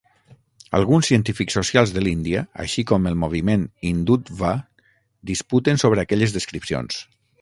Alguns científics socials de l'Índia, així com el moviment Hindutva, disputen sobre aquelles descripcions.